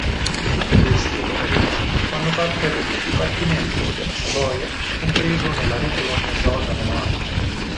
Tutte queste località fanno parte del Dipartimento della Savoia compreso nella Regione Rodano-Alpi.